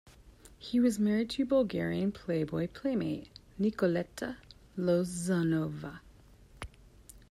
He was married to Bulgarian Playboy Playmate Nikoleta Lozanova.